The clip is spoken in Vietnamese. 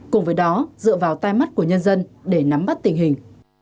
cùng với đó dựa vào tai mắt của nhân dân để nắm bắt tình hình